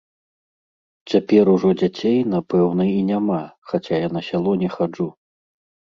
Цяпер ужо дзяцей, напэўна, і няма, хаця я на сяло не хаджу.